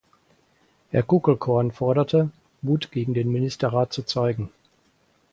Herr Kuckelkorn forderte, Mut gegen den Ministerrat zu zeigen.